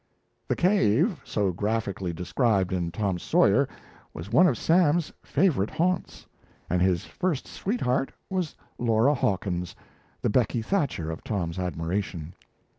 The cave, so graphically described in Tom Sawyer, was one of Sam's favourite haunts; and his first sweetheart was Laura Hawkins, the Becky Thatcher of Tom's admiration.